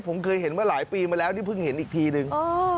ผมเคยเห็นมาหลายปีมาแล้วนี่เพิ่งเห็นอีกทีนึง